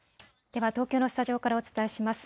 では東京のスタジオからお伝えします。